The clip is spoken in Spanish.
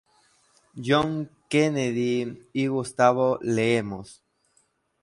John F. Kennedy y Gustavo Lemos.